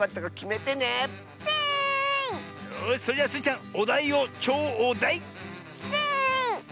よしそれじゃスイちゃんおだいをちょう「だい」。スイ！